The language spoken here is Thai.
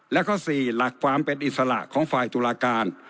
และข้อ๔หลักความเป็นอิสระของฝ่ายตุลาการ